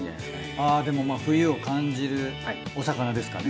あぁでも冬を感じるお魚ですからね。